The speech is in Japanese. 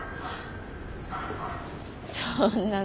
そんなの。